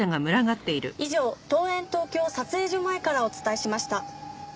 以上東演東京撮影所前からお伝えしました。